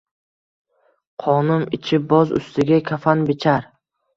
Qonim ichib, boz ustiga kafan bichar.